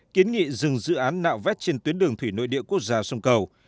kiến nghị dừng dự án nạo vét trên tuyến đường thủy nội địa quốc gia sông cầu